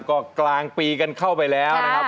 ก็กลางปีกันเข้าไปแล้วนะครับ